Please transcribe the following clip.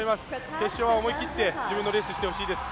決勝は思い切って自分のレースをしてほしいです。